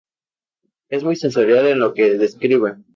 Es muy sensorial en lo que escribe.